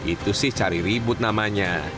itu sih cari ribut namanya